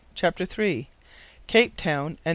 CHAPTER III CAPE TOWN AND M.